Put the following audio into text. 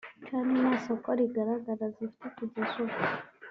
kandi nta soko rigaragara zifite kugeza ubu